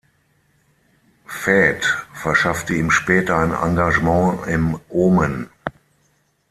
Väth verschaffte ihm später ein Engagement im Omen.